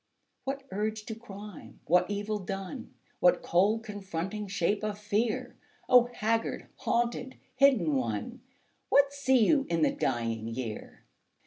What urge to crime, what evil done? What cold, confronting shape of fear? O haggard, haunted, hidden One What see you in the dying year?